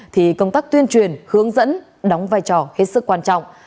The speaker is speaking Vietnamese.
thì công tác tuyên truyền hướng dẫn đóng vai trò hết sức quan trọng